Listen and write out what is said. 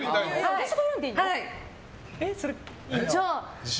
私が選んでいいの？